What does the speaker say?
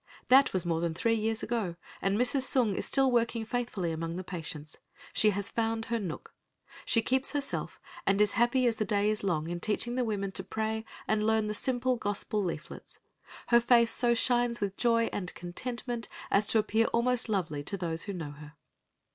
That was more than three years ago, and Mrs. Sung is still working faithfully among the patients. She found her "nook." She keeps herself, and is as happy as the day is long in teaching the women to pray and learn the simple Gospel leaflets. Her face so shines with joy and contentment as to appear almost lovely to those who know her.